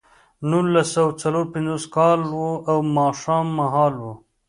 نولس سوه څلور پنځوس کال و او ماښام مهال و